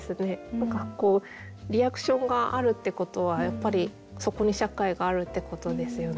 何かこうリアクションがあるってことはやっぱりそこに社会があるってことですよね。